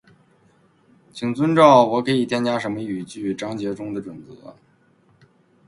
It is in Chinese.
请遵照“我可以添加什么语句？”章节中的准则